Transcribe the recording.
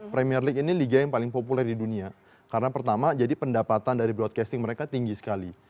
premier league ini liga yang paling populer di dunia karena pertama jadi pendapatan dari broadcasting mereka tinggi sekali